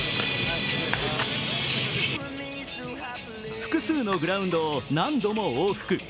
複数のグラウンドを何度も往復。